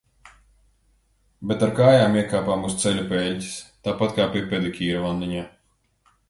Bet ar kājām iekāpām uz ceļa peļķes. Tāpat kā pie pedikīra vanniņā.